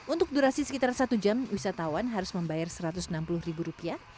untuk durasi sekitar satu jam wisatawan harus membayar satu ratus enam puluh ribu rupiah